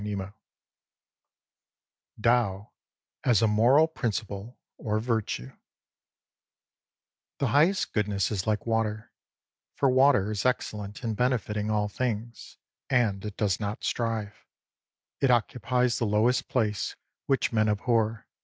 23 TAO AS A MORAL PRINCIPLE, OR "VIRTUE" THE highest goodness is like water, for water is excellent in benefiting all things, and it does not strive. It occupies the lowest place, which men abhor.